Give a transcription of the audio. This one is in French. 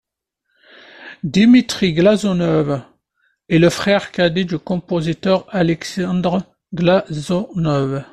Dimitri Glazounov est le frère cadet du compositeur Alexandre Glazounov.